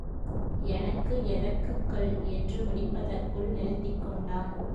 எனக்கு எதற்குக் கல் என்று முடிப்பதற்குள் நிறுத்திக் கொண்டான்.